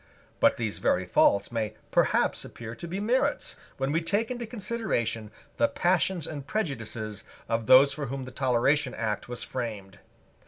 But these very faults may perhaps appear to be merits, when we take into consideration the passions and prejudices of those for whom the Toleration Act was framed.